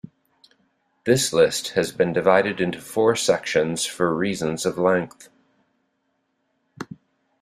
"This list has been divided into four sections for reasons of length:"